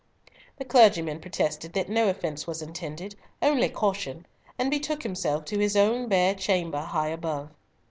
The clergyman protested that no offence was intended, only caution, and betook himself to his own bare chamber, high above.